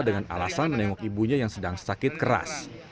dengan alasan menengok ibunya yang sedang sakit keras